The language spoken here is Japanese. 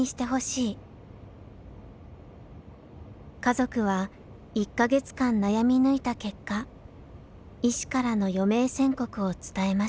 家族は１か月間悩み抜いた結果医師からの余命宣告を伝えました。